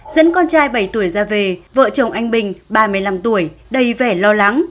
dẫn con trai bảy tuổi ra về vợ chồng anh bình ba mươi năm tuổi đầy vẻ lo lắng